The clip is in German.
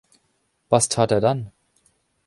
Was tat er dann?